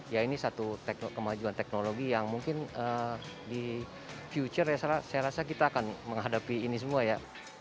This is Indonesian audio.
ya ini satu kemajuan teknologi yang mungkin di future saya rasa kita akan menghadapi ini semua ya